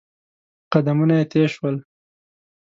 قدمونه يې تېز شول.